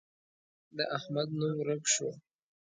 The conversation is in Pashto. د احمد نوم ورک شو.